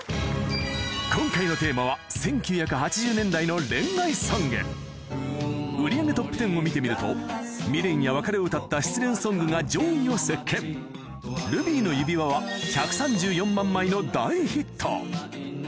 今回のテーマは売り上げトップテンを見てみると未練や別れを歌った失恋ソングが上位を席巻の大ヒット